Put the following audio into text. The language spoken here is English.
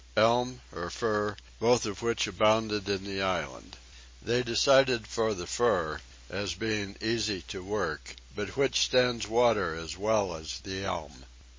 Elm or fir, both of which abounded in the island? They decided for the fir, as being easy to work, but which stands water as well as the elm.